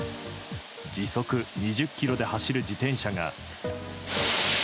時速２０キロで走る自転車が。